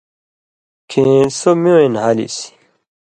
کھیں سو می وَیں نھالِسیۡ۔